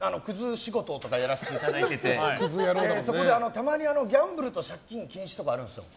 仕事とかやらせていただいててそこで、たまにギャンブルと借金禁止とかあるんですよ。